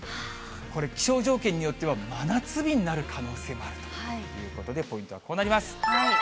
これ、気象条件によっては、真夏日になる可能性もあるということで、ポイントはこうなります。